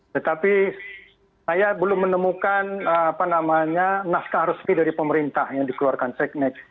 tetapi saya belum menemukan apa namanya naskah resmi dari pemerintah yang dikeluarkan cecneg